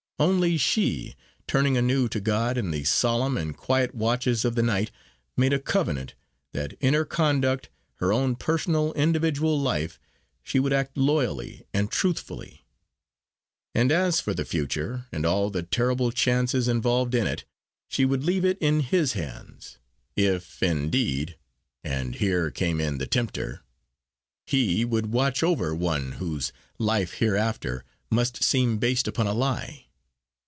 Only she, turning anew to God, in the solemn and quiet watches of the night, made a covenant, that in her conduct, her own personal individual life, she would act loyally and truthfully. And as for the future, and all the terrible chances involved in it, she would leave it in His hands if, indeed (and here came in the Tempter), He would watch over one whose life hereafter must seem based upon a lie.